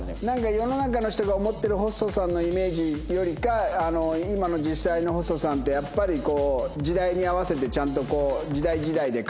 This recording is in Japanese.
世の中の人が思ってるホストさんのイメージよりか今の実際のホストさんってやっぱりこう時代に合わせてちゃんとこう時代時代で変わってくるものなんですか？